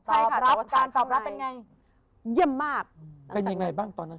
ใช่ค่ะรับการตอบรับเป็นไงเยี่ยมมากเป็นยังไงบ้างตอนนั้น